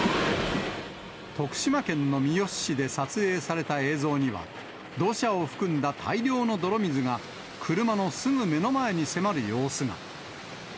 徳島県の三好市で撮影された映像には、土砂を含んだ大量の泥水が、車のすぐ目の前に迫る様子が。